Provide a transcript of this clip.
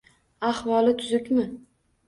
Ahvoli tuzukmi